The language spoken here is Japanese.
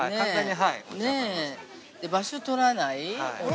場所をとらない。